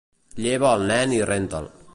Lleva el nen i renta'l.